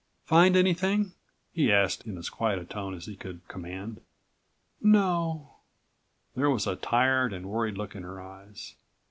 "Find anything?" he asked in as quiet a tone as he could command. "No," there was a tired and worried look in her eyes.